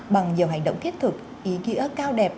bằng nhiều hành động thiết thực ý nghĩa cao đẹp